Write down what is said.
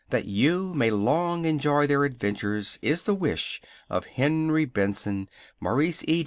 That you may long enjoy their adventures is the wish of HENRY BESTON MAURICE E.